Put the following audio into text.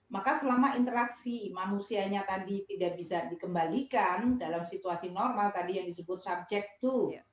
maka selama interaksi manusianya tadi tidak bisa dikembalikan dalam situasi normal tadi yang disebut subject to